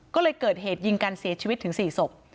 ก็เลยเกิดเหตุยิงกันเสียชีวิตถึง๔ศพ